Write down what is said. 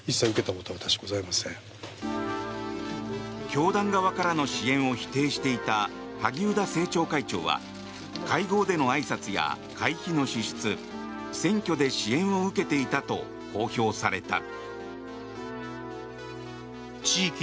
教団側からの支援を否定していた萩生田政調会長は会合でのあいさつや会費の支出選挙で支援を受けていたと公表された。